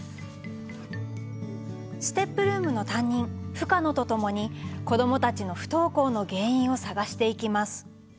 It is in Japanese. ステップルームの担任深野とともに子どもたちの不登校の原因を探していきます。